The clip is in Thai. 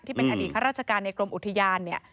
ที่เป็นอดีตข้าราชการในกรมอุทยานเนี่ย